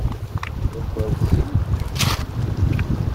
D akersi.